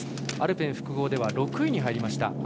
アルペン複合では６位に入りました。